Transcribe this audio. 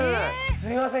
すいません